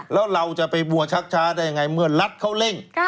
แล้วเราจะไปบัวชักช้าได้ยังไงเมื่อรัฐเขาเร่ง